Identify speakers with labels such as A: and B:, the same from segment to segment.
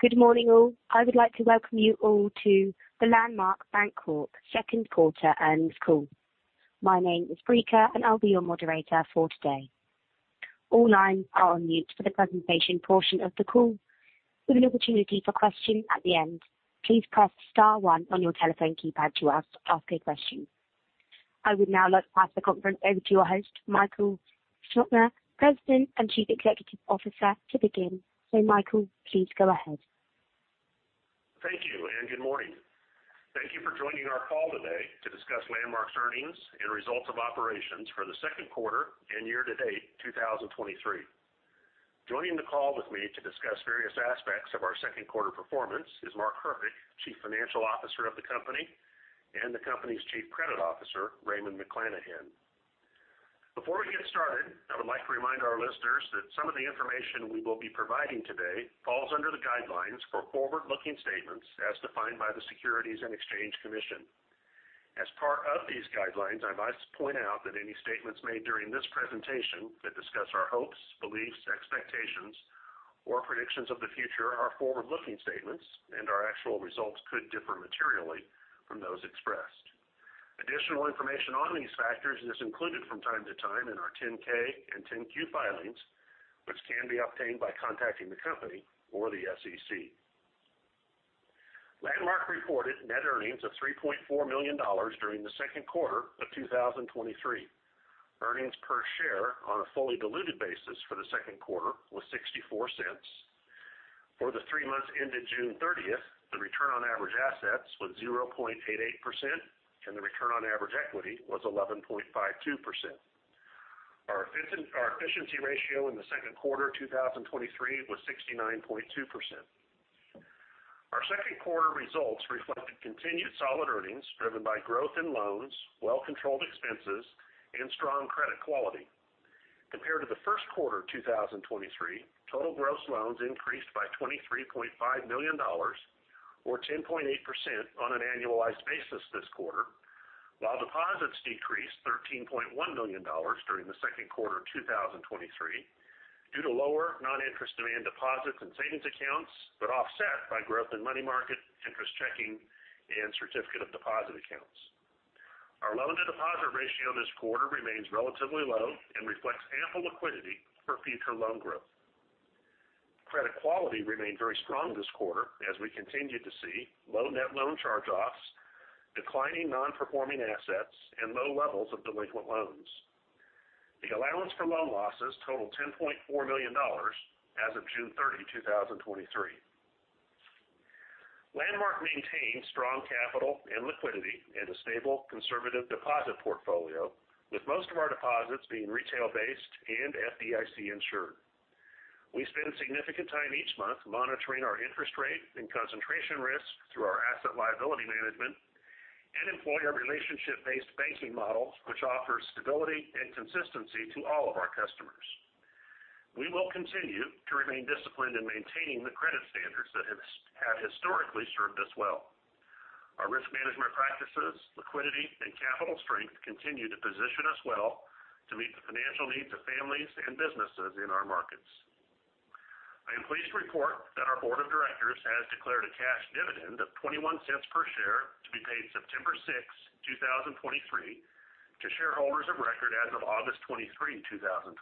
A: Good morning, all. I would like to welcome you all to the Landmark Bancorp second quarter earnings call. My name is Brica, and I'll be your moderator for today. All lines are on mute for the presentation portion of the call. We have an opportunity for questions at the end. Please press star one on your telephone keypad to ask a question. I would now like to pass the conference over to your host, Michael Scheopner, President and Chief Executive Officer, to begin. Michael, please go ahead.
B: Thank you, and good morning. Thank you for joining our call today to discuss Landmark's earnings and results of operations for the second quarter and year-to-date 2023. Joining the call with me to discuss various aspects of our second quarter performance is Mark Herpich, Chief Financial Officer of the company, and the company's Chief Credit Officer, Raymond McLanahan. Before we get started, I would like to remind our listeners that some of the information we will be providing today falls under the guidelines for forward-looking statements as defined by the Securities and Exchange Commission. As part of these guidelines, I'd like to point out that any statements made during this presentation that discuss our hopes, beliefs, expectations, or predictions of the future are forward-looking statements, and our actual results could differ materially from those expressed. Additional information on these factors is included from time to time in our 10-K and 10-Q filings, which can be obtained by contacting the company or the SEC. Landmark reported net earnings of $3.4 million during the second quarter of 2023. Earnings per share on a fully diluted basis for the second quarter was $0.64. For the three months ended June 30th, the return on average assets was 0.88%, and the return on average equity was 11.52%. Our efficiency ratio in the second quarter 2023 was 69.2%. Our second quarter results reflected continued solid earnings, driven by growth in loans, well controlled expenses, and strong credit quality. Compared to the first quarter of 2023, total gross loans increased by $23.5 million, or 10.8% on an annualized basis this quarter, while deposits decreased $13.1 million during the second quarter of 2023 due to lower non-interest demand deposits and savings accounts. Offset by growth in money market, interest checking, and certificate of deposit accounts, our loan-to-deposit ratio this quarter remains relatively low and reflects ample liquidity for future loan growth. Credit quality remained very strong this quarter as we continued to see low net loan charge-offs, declining non-performing assets, and low levels of delinquent loans. The allowance for loan losses totaled $10.4 million as of June 30, 2023. Landmark maintains strong capital and liquidity and a stable, conservative deposit portfolio, with most of our deposits being retail-based and FDIC-insured. We spend significant time each month monitoring our interest rate and concentration risk through our asset liability management and employ our relationship-based banking model, which offers stability and consistency to all of our customers. We will continue to remain disciplined in maintaining the credit standards that have historically served us well. Our risk management practices, liquidity, and capital strength continue to position us well to meet the financial needs of families and businesses in our markets. I am pleased to report that our board of directors has declared a cash dividend of $0.21 per share to be paid September 6, 2023, to shareholders of record as of August 23, 2023.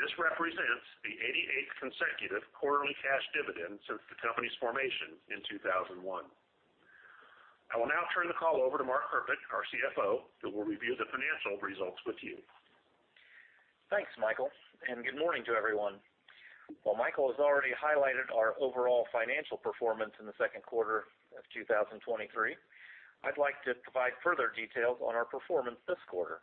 B: This represents the 88th consecutive quarterly cash dividend since the company's formation in 2001. I will now turn the call over to Mark Herpich, our CFO, who will review the financial results with you.
C: Thanks, Michael. Good morning to everyone. While Michael has already highlighted our overall financial performance in the second quarter of 2023, I'd like to provide further details on our performance this quarter.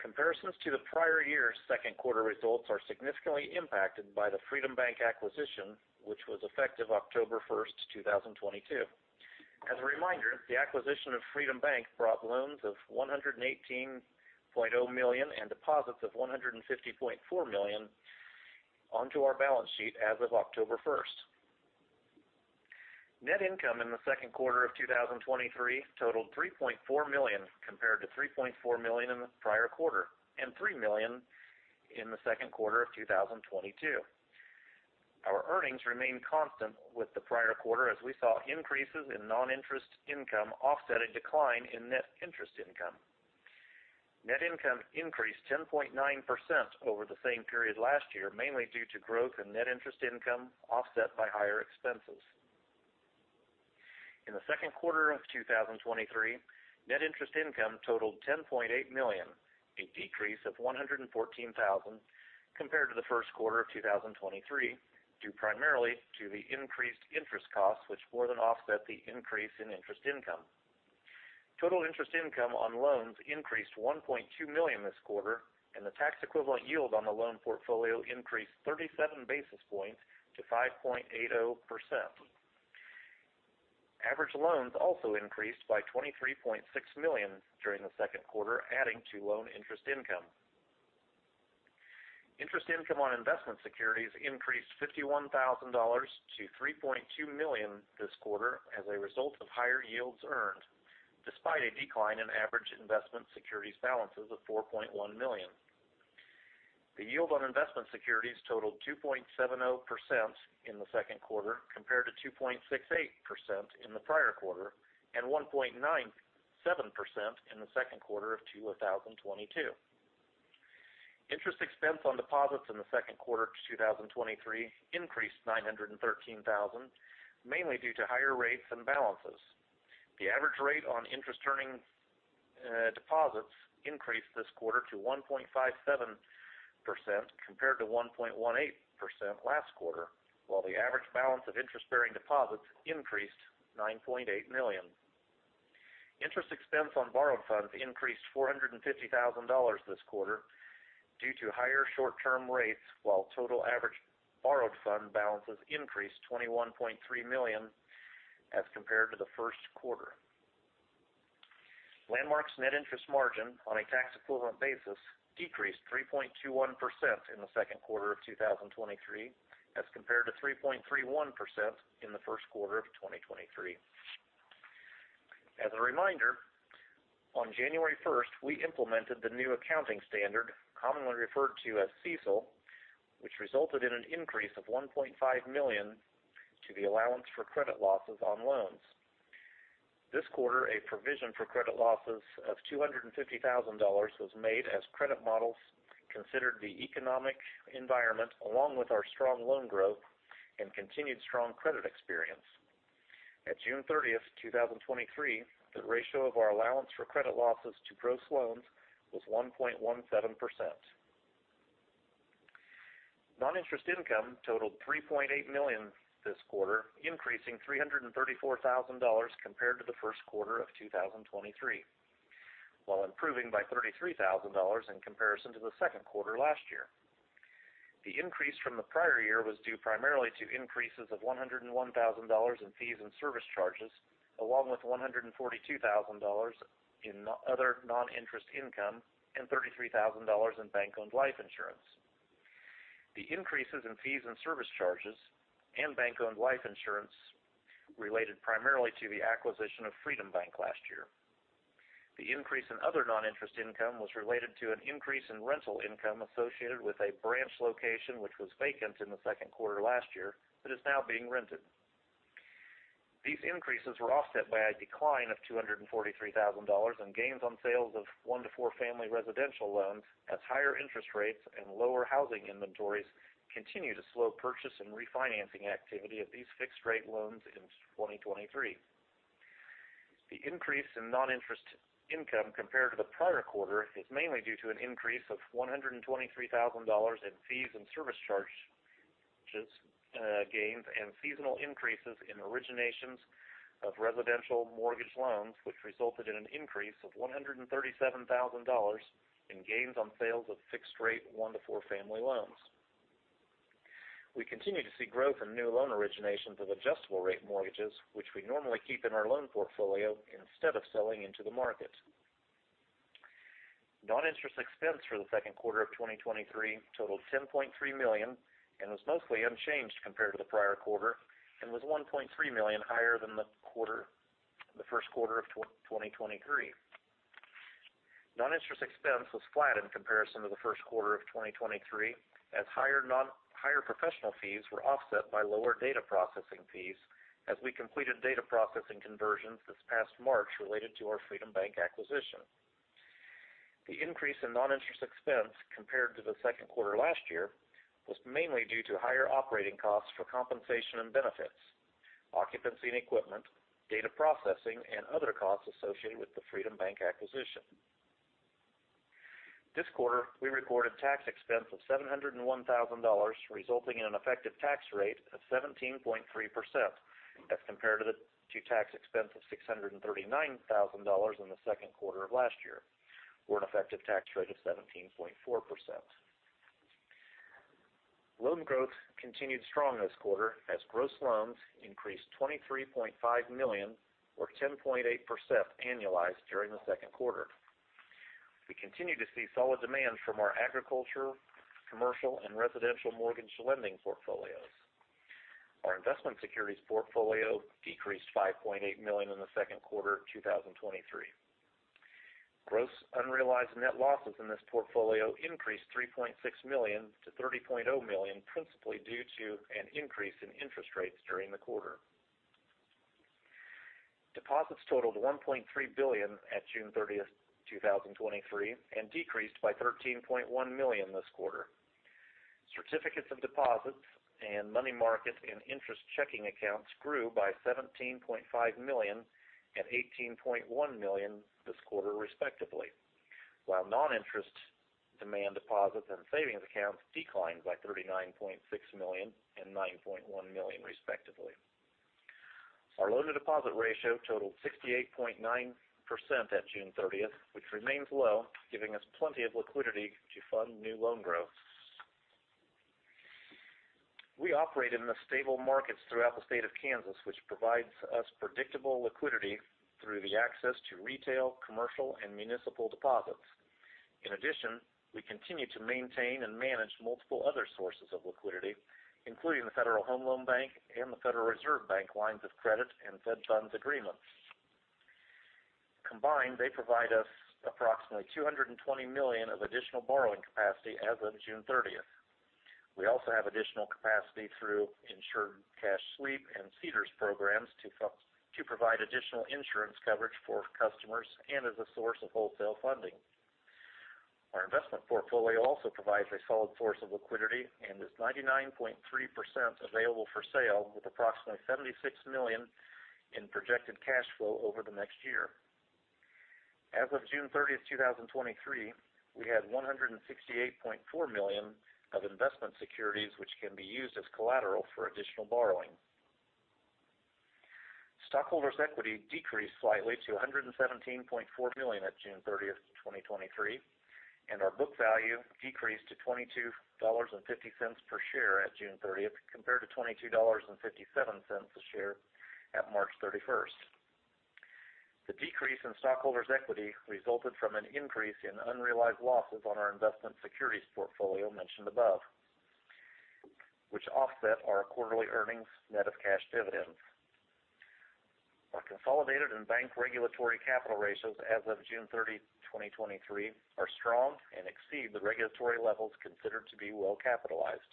C: Comparisons to the prior year's second quarter results are significantly impacted by the Freedom Bank acquisition, which was effective October 1st, 2022. As a reminder, the acquisition of Freedom Bank brought loans of $118.0 million and deposits of $150.4 million onto our balance sheet as of October 1st. Net income in the second quarter of 2023 totaled $3.4 million, compared to $3.4 million in the prior quarter, and $3 million in the second quarter of 2022. Our earnings remained constant with the prior quarter as we saw increases in non-interest income offset a decline in net interest income. Net income increased 10.9% over the same period last year, mainly due to growth in net interest income, offset by higher expenses. In the second quarter of 2023, net interest income totaled $10.8 million, a decrease of $114,000 compared to the first quarter of 2023, due primarily to the increased interest costs, which more than offset the increase in interest income. Total interest income on loans increased $1.2 million this quarter, and the tax equivalent yield on the loan portfolio increased 37 basis points to 5.80%. Average loans also increased by $23.6 million during the second quarter, adding to loan interest income. Interest income on investment securities increased $51,000 to $3.2 million this quarter as a result of higher yields earned. despite a decline in average investment securities balances of $4.1 million. The yield on investment securities totaled 2.70% in the second quarter, compared to 2.68% in the prior quarter, and 1.97% in the second quarter of 2022. Interest expense on deposits in the second quarter of 2023 increased $913,000, mainly due to higher rates and balances. The average rate on interest-turning deposits increased this quarter to 1.57%, compared to 1.18% last quarter, while the average balance of interest-bearing deposits increased $9.8 million. Interest expense on borrowed funds increased $450,000 this quarter due to higher short-term rates, while total average borrowed fund balances increased $21.3 million as compared to the first quarter. Landmark's net interest margin on a tax-equivalent basis decreased 3.21% in the second quarter of 2023, as compared to 3.31% in the first quarter of 2023. As a reminder, on January first, we implemented the new accounting standard, commonly referred to as CECL, which resulted in an increase of $1.5 million to the allowance for credit losses on loans. This quarter, a provision for credit losses of $250,000 was made as credit models considered the economic environment, along with our strong loan growth and continued strong credit experience. At June 30, 2023, the ratio of our allowance for credit losses to gross loans was 1.17%. Non-interest income totaled $3.8 million this quarter, increasing $334,000 compared to the first quarter of 2023, while improving by $33,000 in comparison to the second quarter last year. The increase from the prior year was due primarily to increases of $101,000 in fees and service charges, along with $142,000 in other non-interest income and $33,000 in bank-owned life insurance. The increases in fees and service charges and bank-owned life insurance related primarily to the acquisition of Freedom Bank last year. The increase in other non-interest income was related to an increase in rental income associated with a branch location, which was vacant in the second quarter last year, but is now being rented. These increases were offset by a decline of $243,000 in gains on sales of one-to-four family residential loans, as higher interest rates and lower housing inventories continue to slow purchase and refinancing activity of these fixed-rate loans in 2023. The increase in non-interest income compared to the prior quarter is mainly due to an increase of $123,000 in fees and service charges, gains and seasonal increases in originations of residential mortgage loans, which resulted in an increase of $137,000 in gains on sales of fixed-rate one-to-four family loans. We continue to see growth in new loan originations of adjustable-rate mortgages, which we normally keep in our loan portfolio instead of selling into the market. Non-interest expense for the second quarter of 2023 totaled $10.3 million and was mostly unchanged compared to the prior quarter and was $1.3 million higher than the first quarter of 2023. Non-interest expense was flat in comparison to the first quarter of 2023, as higher professional fees were offset by lower data processing fees as we completed data processing conversions this past March related to our Freedom Bank acquisition. The increase in non-interest expense compared to the second quarter last year was mainly due to higher operating costs for compensation and benefits, occupancy and equipment, data processing, and other costs associated with the Freedom Bank acquisition. This quarter, we recorded tax expense of $701,000, resulting in an effective tax rate of 17.3%, as compared to tax expense of $639,000 in the second quarter of last year, or an effective tax rate of 17.4%. Loan growth continued strong this quarter as gross loans increased $23.5 million, or 10.8% annualized during the second quarter. We continue to see solid demand from our agriculture, commercial, and residential mortgage lending portfolios. Our investment securities portfolio decreased $5.8 million in the second quarter of 2023. Gross unrealized net losses in this portfolio increased $3.6 million to $30.0 million, principally due to an increase in interest rates during the quarter. Deposits totaled $1.3 billion at June 30th, 2023, and decreased by $13.1 million this quarter. Certificates of deposits and money market and interest checking accounts grew by $17.5 million and $18.1 million this quarter, respectively, while non-interest demand deposits and savings accounts declined by $39.6 million and $9.1 million, respectively. Our loan-to-deposit ratio totaled 68.9% at June 30th, which remains low, giving us plenty of liquidity to fund new loan growth. We operate in the stable markets throughout the state of Kansas, which provides us predictable liquidity through the access to retail, commercial, and municipal deposits....In addition, we continue to maintain and manage multiple other sources of liquidity, including the Federal Home Loan Bank and the Federal Reserve Bank lines of credit and Fed Funds agreements. Combined, they provide us approximately $220 million of additional borrowing capacity as of June thirtieth. We also have additional capacity through Insured Cash Sweep and CDARS programs to provide additional insurance coverage for customers and as a source of wholesale funding. Our investment portfolio also provides a solid source of liquidity and is 99.3% available for sale, with approximately $76 million in projected cash flow over the next year. As of June 30th, 2023, we had $168.4 million of investment securities, which can be used as collateral for additional borrowing. Stockholders' equity decreased slightly to $117.4 million at June 30th, 2023. Our book value decreased to $22.50 per share at June 30, compared to $22.57 a share at March 31st. The decrease in stockholders' equity resulted from an increase in unrealized losses on our investment securities portfolio mentioned above, which offset our quarterly earnings net of cash dividends. Our consolidated and bank regulatory capital ratios as of June 30th, 2023, are strong and exceed the regulatory levels considered to be well capitalized.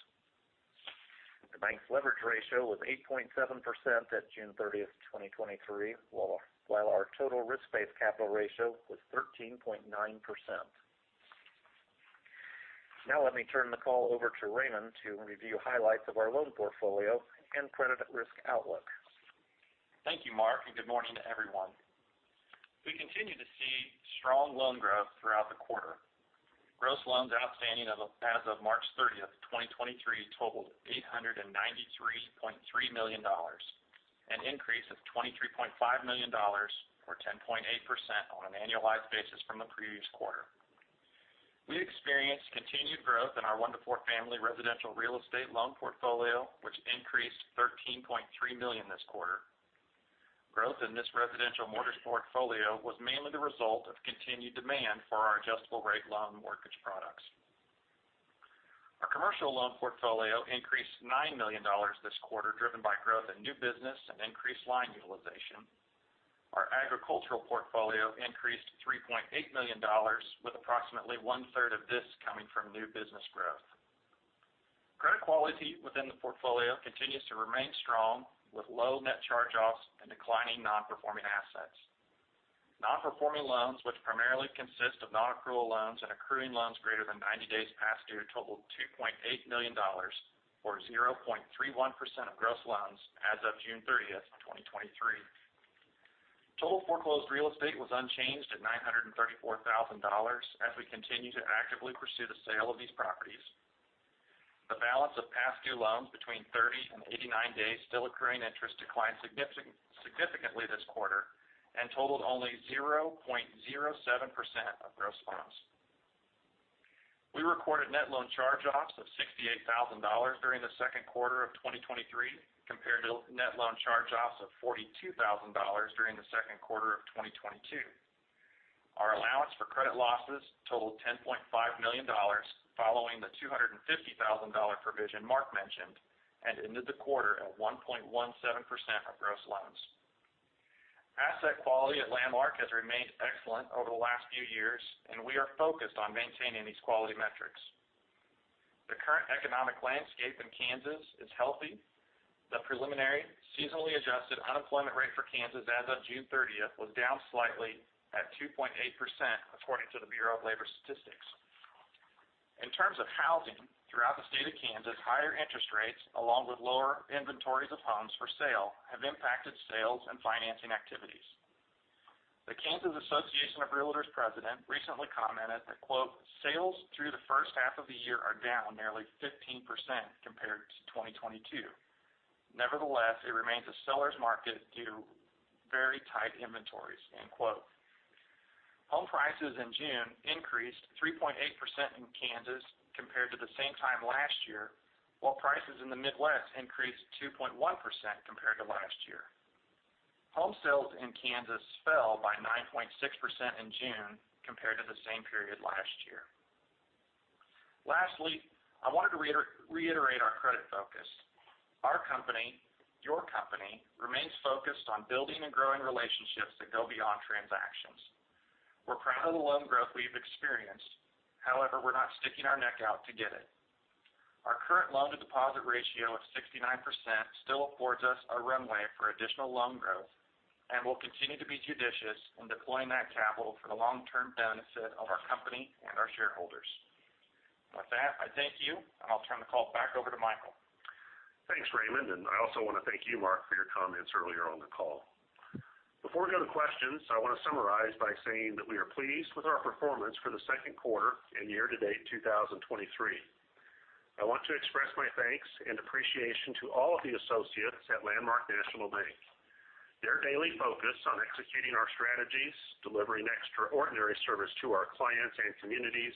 C: The bank's leverage ratio was 8.7% at June 30th, 2023, while our total risk-based capital ratio was 13.9%. Let me turn the call over to Raymond to review highlights of our loan portfolio and credit risk outlook.
D: Thank you, Mark. Good morning to everyone. We continue to see strong loan growth throughout the quarter. Gross loans outstanding as of March 30th, 2023, totaled $893.3 million, an increase of $23.5 million or 10.8% on an annualized basis from the previous quarter. We experienced continued growth in our one-to-four family residential real estate loan portfolio, which increased $13.3 million this quarter. Growth in this residential mortgage portfolio was mainly the result of continued demand for our adjustable rate loan mortgage products. Our commercial loan portfolio increased $9 million this quarter, driven by growth in new business and increased line utilization. Our agricultural portfolio increased $3.8 million, with approximately one-third of this coming from new business growth. Credit quality within the portfolio continues to remain strong, with low net charge-offs and declining nonperforming assets. Nonperforming loans, which primarily consist of nonaccrual loans and accruing loans greater than 90 days past due, totaled $2.8 million, or 0.31% of gross loans as of June 30th, 2023. Total foreclosed real estate was unchanged at $934,000, as we continue to actively pursue the sale of these properties. The balance of past due loans between 30 and 89 days, still accruing interest, declined significantly this quarter and totaled only 0.07% of gross loans. We recorded net loan charge-offs of $68,000 during the second quarter of 2023, compared to net loan charge-offs of $42,000 during the second quarter of 2022. Our allowance for credit losses totaled $10.5 million, following the $250,000 provision Mark mentioned, and ended the quarter at 1.17% of gross loans. Asset quality at Landmark has remained excellent over the last few years, and we are focused on maintaining these quality metrics. The current economic landscape in Kansas is healthy. The preliminary, seasonally adjusted unemployment rate for Kansas as of June 30th was down slightly at 2.8%, according to the Bureau of Labor Statistics. In terms of housing, throughout the state of Kansas, higher interest rates, along with lower inventories of homes for sale, have impacted sales and financing activities. The Kansas Association of Realtors president recently commented that, quote, "Sales through the first half of the year are down nearly 15% compared to 2022. Nevertheless, it remains a seller's market due to very tight inventories," end quote. Home prices in June increased 3.8% in Kansas compared to the same time last year, while prices in the Midwest increased 2.1% compared to last year. Home sales in Kansas fell by 9.6% in June compared to the same period last year. Lastly, I wanted to reiterate our credit focus. Our company, your company, remains focused on building and growing relationships that go beyond transactions. We're proud of the loan growth we've experienced. However, we're not sticking our neck out to get it. Our current loan-to-deposit ratio of 69% still affords us a runway for additional loan growth, and we'll continue to be judicious in deploying that capital for the long-term benefit of our company and our shareholders. With that, I thank you, and I'll turn the call back over to Michael.
C: Thanks, Raymond, and I also want to thank you, Mark, for your comments earlier on the call. Before we go to questions, I want to summarize by saying that we are pleased with our performance for the second quarter and year-to-date, 2023. I want to express my thanks and appreciation to all of the associates at Landmark National Bank. Their daily focus on executing our strategies, delivering extraordinary service to our clients and communities....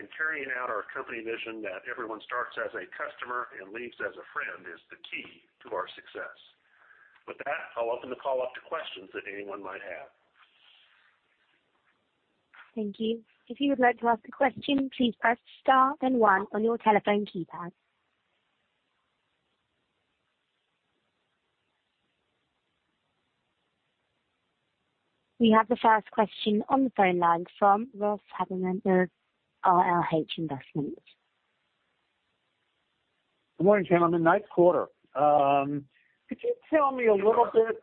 B: and carrying out our company vision that everyone starts as a customer and leaves as a friend, is the key to our success. With that, I'll open the call up to questions that anyone might have.
A: Thank you. If you would like to ask a question, please press star then one on your telephone keypad. We have the first question on the phone line from Ross Haberman of RRH Investments.
E: Good morning, gentlemen. Nice quarter. Could you tell me a little bit,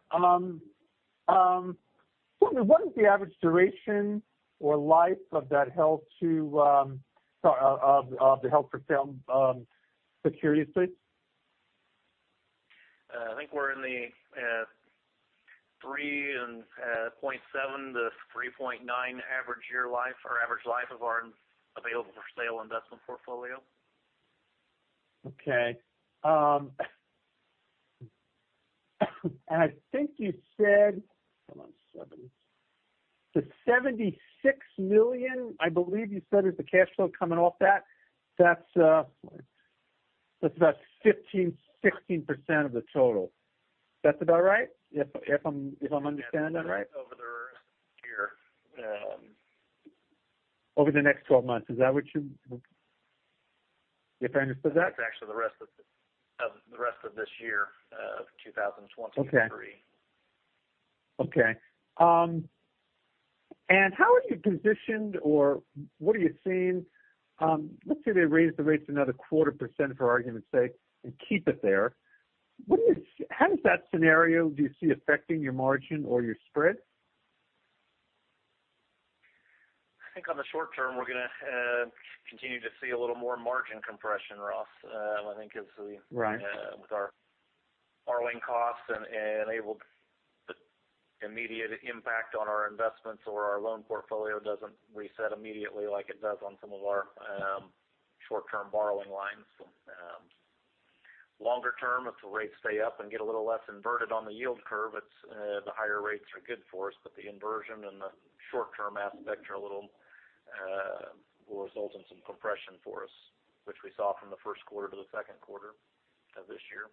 E: what is the average duration or life of that held to, sorry, of the held for sale, securities, please?
C: I think we're in the 3.7-3.9 average year life or average life of our available for sale investment portfolio.
E: Okay. I think you said, hold on. The $76 million, I believe you said, is the cash flow coming off that? That's, that's about 15%-16% of the total. That's about right? If, if I'm, if I'm understanding that right.
C: Over the rest of the year.
E: Over the next 12 months, is that what you-- if I understand that?
C: That's actually the rest of the, of the rest of this year, 2023.
E: Okay. Okay. How are you positioned, or what are you seeing? Let's say they raise the rates another 0.25%, for argument's sake, and keep it there. How does that scenario do you see affecting your margin or your spread?
C: I think on the short term, we're gonna continue to see a little more margin compression, Ross. I think as we-
E: Right.
C: with our borrowing costs and, and able the immediate impact on our investments or our loan portfolio doesn't reset immediately like it does on some of our short-term borrowing lines. longer term, if the rates stay up and get a little less inverted on the yield curve, it's the higher rates are good for us, but the inversion and the short-term aspect are a little will result in some compression for us, which we saw from the first quarter to the second quarter of this year.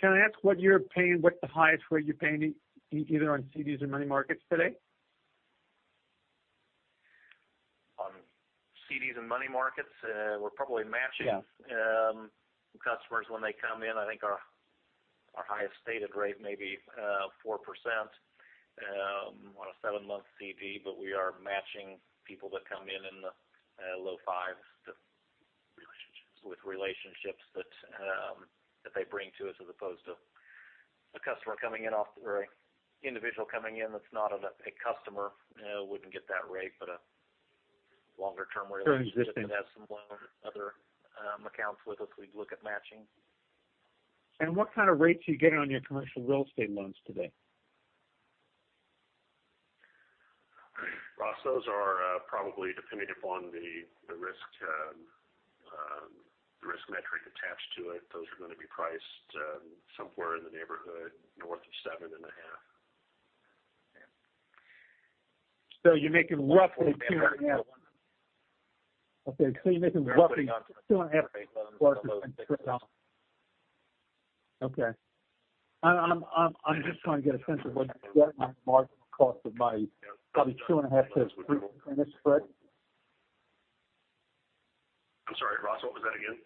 E: Can I ask what you're paying? What's the highest rate you're paying either on CDs or money markets today?
C: On CDs and money markets, we're probably matching-
E: Yeah...
C: customers when they come in. I think our, our highest stated rate may be 4% on a seven-month CD, but we are matching people that come in, in the low 5s.
B: Relationships.
C: With relationships that, that they bring to us, as opposed to a customer coming in off, or individual coming in, that's not a, a customer, wouldn't get that rate, but a longer-term relationship...
E: Existing.
C: That has some loan or other, accounts with us, we'd look at matching.
E: What kind of rates are you getting on your commercial real estate loans today?
B: Ross, those are probably dependent upon the, the risk, the risk metric attached to it. Those are going to be priced somewhere in the neighborhood north of 7.5%.
E: You're making roughly 2.5. Okay, you're making roughly 2.5+. Okay. I'm just trying to get a sense of what my marginal cost of my probably 2.5%-3% spread.
B: I'm sorry, Ross, what was that again?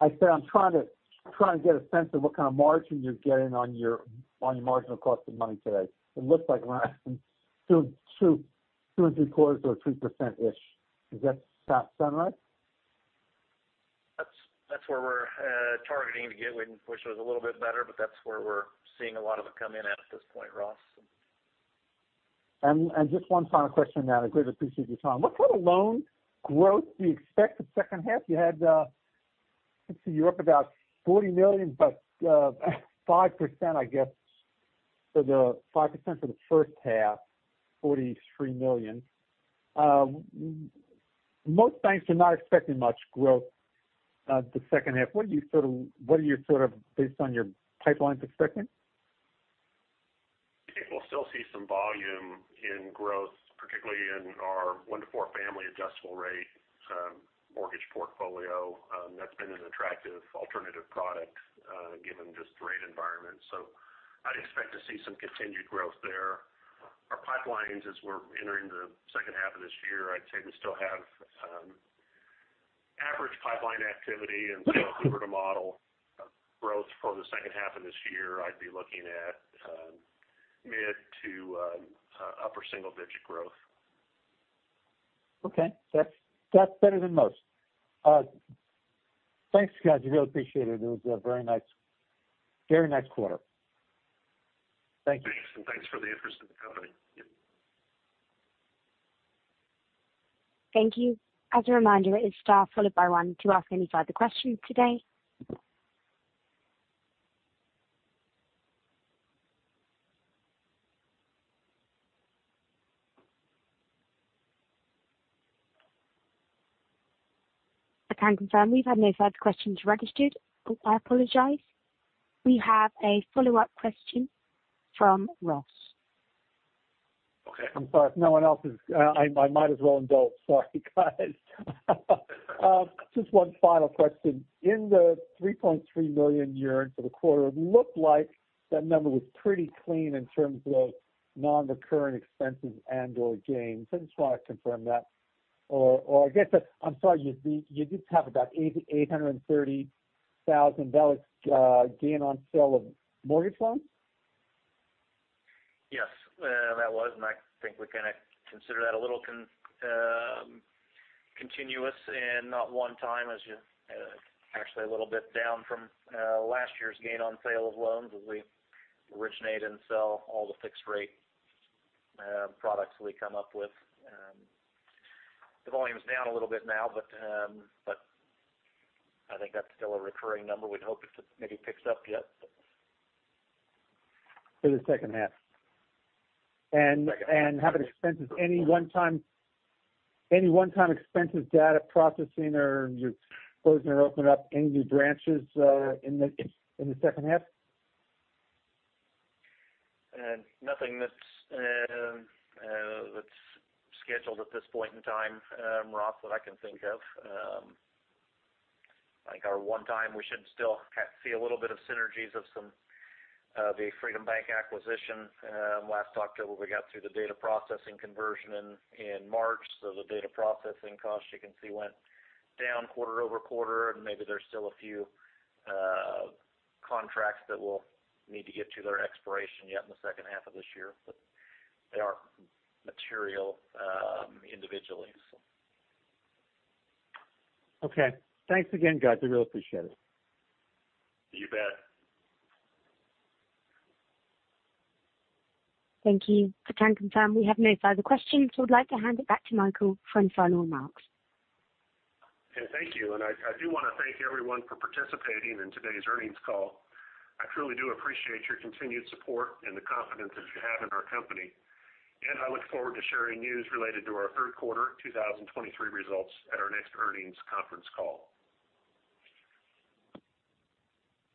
E: I said I'm trying to get a sense of what kind of margin you're getting on your, on your marginal cost of money today. It looks like around 2%, 2.75% or 3%-ish. Does that sound right?
C: That's that's where we're targeting to get. We wish it was a little bit better, but that's where we're seeing a lot of it come in at this point, Ross.
E: Just one final question, and I greatly appreciate your time. What kind of loan growth do you expect the second half? You had, let's see, you're up about $40 million, but, 5%, I guess, for the 5% for the first half, $43 million. Most banks are not expecting much growth the second half. What are you sort of, based on your pipelines, expecting?
B: I think we'll still see some volume in growth, particularly in our one to four family adjustable rate mortgage portfolio. That's been an attractive alternative product, given this rate environment. I'd expect to see some continued growth there. Our pipelines, as we're entering the second half of this year, I'd say we still have average pipeline activity. If we were to model growth for the second half of this year, I'd be looking at mid to upper single-digit growth.
E: Okay. That's, that's better than most. Thanks, guys. I really appreciate it. It was a very nice, very nice quarter. Thank you.
B: Thanks, and thanks for the interest in the company.
A: Thank you. As a reminder, it is star followed by one to ask any further questions today. I can confirm we've had no further questions registered. Oh, I apologize. We have a follow-up question from Ross.
E: Okay, I'm sorry. If no one else is, I, I might as well indulge. Sorry, guys. Just one final question. In the $3.3 million in earnings for the quarter, it looked like that number was pretty clean in terms of nonrecurring expenses and/or gains. I just want to confirm that, or, or I guess I'm sorry, you, you did have about $830,000, gain on sale of mortgage loans?
C: Yes, that was. I think we kind of consider that a little con, continuous and not one time, as you, actually, a little bit down from last year's gain on sale of loans, as we originate and sell all the fixed rate products we come up with. The volume is down a little bit now, but, but I think that's still a recurring number. We'd hope it maybe picks up yet.
E: For the second half.
C: Second half.
E: How about expenses? Any one-time expenses, data processing, or you closing or opening up any new branches in the second half?
C: Nothing that's that's scheduled at this point in time, Ross, that I can think of. I think our one time, we should still see a little bit of synergies of some of the Freedom Bank acquisition. Last October, we got through the data processing conversion in March. The data processing costs, you can see, went down quarter-over-quarter, and maybe there's still a few contracts that will need to get to their expiration yet in the second half of this year. They are material, individually, so.
E: Okay. Thanks again, guys. I really appreciate it.
C: You bet.
A: Thank you. I can confirm we have no further questions. I'd like to hand it back to Michael for any final remarks.
B: Thank you. I, I do want to thank everyone for participating in today's earnings call. I truly do appreciate your continued support and the confidence that you have in our company. I look forward to sharing news related to our third quarter 2023 results at our next earnings conference call.